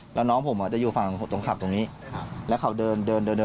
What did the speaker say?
แล้วน้องผมจะอยู่ฝั่งตรงขับตรงนี้แล้วเขาเดินเดินเดิน